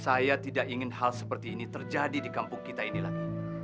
saya tidak ingin hal seperti ini terjadi di kampung kita ini lagi